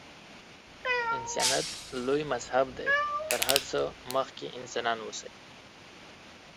انسانیت لوی مذهب دی. تر هر څه مخکې انسانان اوسئ.